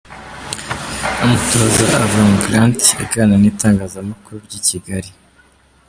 Umutoza Avram Grant aganira n'itangazamakuru ry'i Kigali.